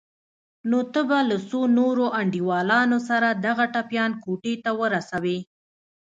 نو ته به له څو نورو انډيوالانو سره دغه ټپيان کوټې ته ورسوې.